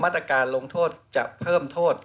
ตรการลงโทษจะเพิ่มโทษ